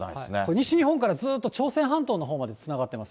西日本からずーっと朝鮮半島のほうまでつながってます。